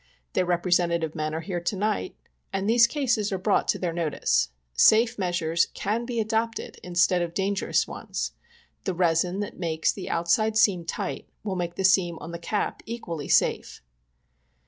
Their representative men are here to night, and these cases are brought to their notice. Safe measures can be adopted instead of dangerous ones. The resin that makes the outside seam tight will also make the seam on the cap equally safe.